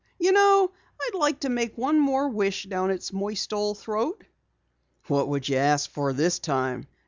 You know, I'd like to make one more wish down its moist old throat!" "What would you ask for this time?"